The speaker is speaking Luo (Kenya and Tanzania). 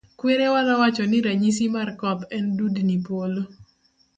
Kwerawa nowacho ni ranyisis mar koth en dudni polo.